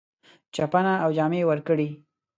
چپنه او جامې ورکړې.